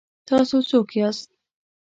ـ تاسو څوک یاست؟